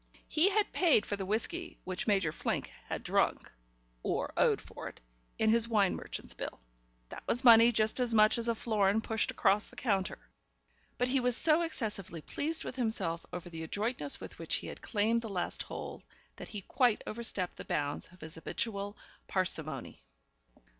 He had paid for the whisky which Major Flink had drunk (or owed for it) in his wine merchant's bill. That was money just as much as a florin pushed across the counter. But he was so excessively pleased with himself over the adroitness with which he had claimed the last hole, that he quite overstepped the bounds of his habitual parsimony.